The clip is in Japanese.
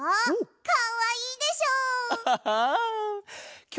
かわいいでしょ。